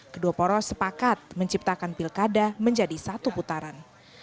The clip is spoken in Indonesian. kedua poros sepakat menciptakan pilkada menjadi satu putaran